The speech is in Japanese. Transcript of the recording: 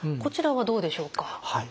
はい。